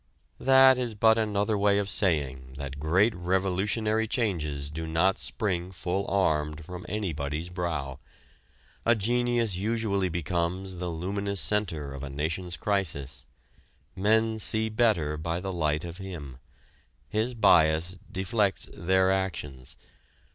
That is but another way of saying that great revolutionary changes do not spring full armed from anybody's brow. A genius usually becomes the luminous center of a nation's crisis, men see better by the light of him. His bias deflects their actions.